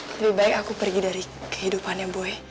lebih baik aku pergi dari kehidupannya boy